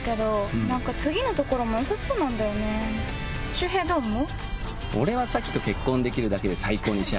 秀平どう思う？